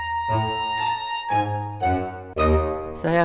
karna kami mengang wallet m guilt itu macam mana ya pat joined m amar